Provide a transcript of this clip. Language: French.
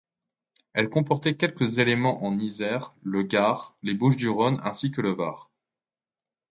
Elle comportait quelques éléments en Isère, le Gard, les Bouches-du-Rhône ainsi que le Var.